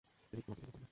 Reef তোমাকে ঘৃণা করেনা।